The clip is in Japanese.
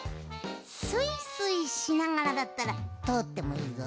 スイスイしながらだったらとおってもいいぞ。